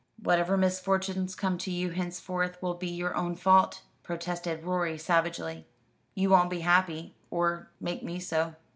"Whatever misfortunes come to you henceforth will be your own fault," protested Rorie savagely. "You won't be happy, or make me so."